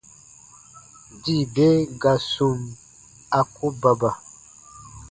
Dii be ga sum, a ku baba.